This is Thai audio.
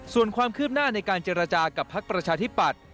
ส่วนความคืบหน้าในการเจรจากับพักประชาธิปัตย์